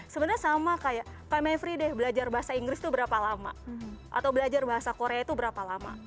sebenarnya sama kayak pak maivri deh belajar bahasa inggris itu berapa lama atau belajar bahasa korea itu berapa lama